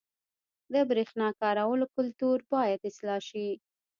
• د برېښنا د کارولو کلتور باید اصلاح شي.